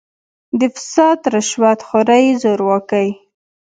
د «فساد، رشوت خورۍ، زورواکۍ